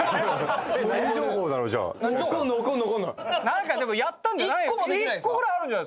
何かでもやったんじゃ。